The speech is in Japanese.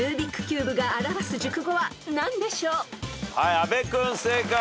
阿部君正解。